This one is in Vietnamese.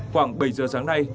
khoảng bảy giờ sáng nay